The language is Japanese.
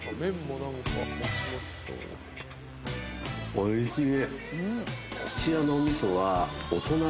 おいしい。